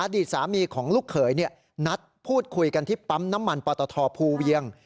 ดีตสามีของลูกเขยนัดพูดคุยกันที่ปั๊มน้ำมันปตทภูเวียง